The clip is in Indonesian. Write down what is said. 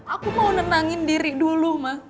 aku mau nenangin diri dulu mah